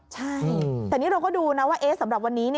ใช่แต่นี่เราก็ดูนะว่าสำหรับวันนี้